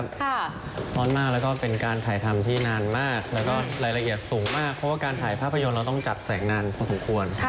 ร้อนมากแล้วก็เป็นการถ่ายทำที่นานมากแล้วก็รายละเอียดสูงมากเพราะว่าการถ่ายภาพยนตร์เราต้องจัดแสงนานพอสมควร